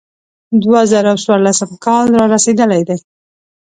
دوه زره څوارلسم کال را رسېدلی دی.